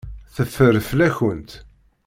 Teffer fell-akent.